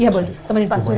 ya boleh temenin pak suraya